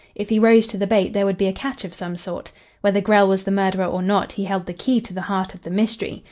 If he rose to the bait there would be a catch of some sort. Whether Grell was the murderer or not, he held the key to the heart of the mystery.